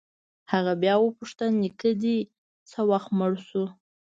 هغه بيا وپوښتل نيکه دې څه وخت مړ سو.